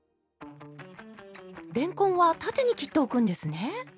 れんこんは縦に切っておくんですね？